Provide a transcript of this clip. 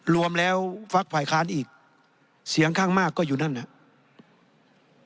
รวมแล้วพักฝ่ายค้านอีกเสียงข้างมากก็อยู่นั่นนะครับ